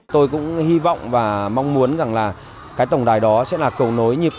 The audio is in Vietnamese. tôi cũng hy vọng và mong muốn rằng là cái tổng đài đó sẽ là cầu nối nhịp